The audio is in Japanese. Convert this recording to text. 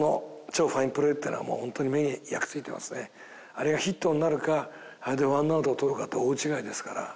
やっぱりあのあれがヒットになるかあれでワンアウトを取るかって大違いですから。